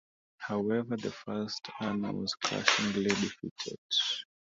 However, the First Army was crushingly defeated.